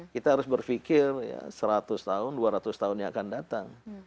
kita harus berfikir ya seratus tahun dua ratus tahunnya akan datang